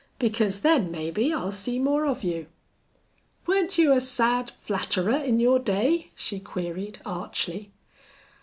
"Because then, maybe, I'll see more of you." "Weren't you a sad flatterer in your day?" she queried, archly.